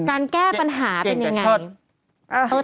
การแก้ปัญหาเป็นอย่างไร